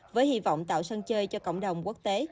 với hy vọng tạo sân chơi cho cộng đồng quốc tế